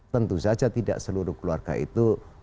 tentu saja tidak seluruh keluarga itu